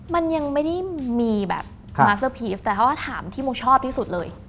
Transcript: มันยังไม่ได้มีแบบมาเซอร์พีฟแต่เขาก็ถามที่มูชอบที่สุดเลย